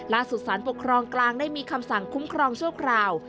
ล่าสุดสรรค์ปกครองกลางได้มีคำสั่งคุ้มครองช่วงคราว